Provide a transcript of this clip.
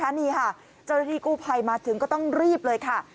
นี่ค่ะเจ้าหน้าที่กู้ภัยมาถึงก็ต้องรีบเลยค่ะ